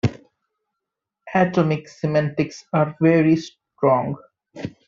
Atomic semantics are very strong.